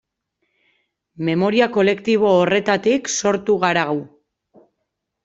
Memoria kolektibo horretatik sortu gara gu.